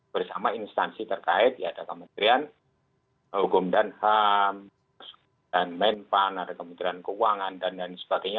bersama instansi terkait ya ada kementerian hukum dan ham dan menpan ada kementerian keuangan dan lain sebagainya